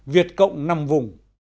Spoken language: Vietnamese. việt cộng năm vùng